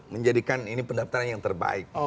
menjadikan ini pendaftaran yang terbaik